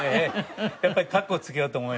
やっぱりかっこつけようと思いまして。